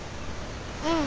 うん。